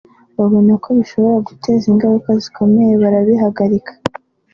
babona ko bishobora guteza ingaruka zikomeye barabihagarika